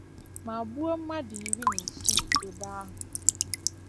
ma gbuo mmadụ iri na isii n'ebe ahụ